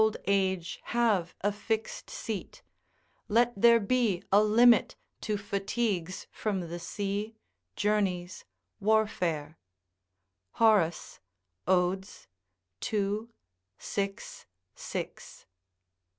["Let my old age have a fixed seat; let there be a limit to fatigues from the sea, journeys, warfare." Horace, Od., ii. 6, 6.